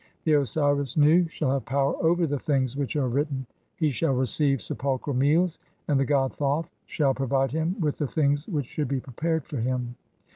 The Osiris Nu "shall have power over the things which are written, he shall "receive (25) sepulchral meals, and the god Thoth shall pro "vide him with the things which should be prepared for him.